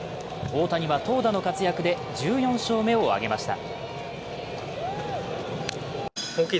大谷は投打の活躍で１４勝目を挙げました。